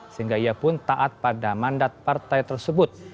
sehingga ia pun taat pada mandat partai tersebut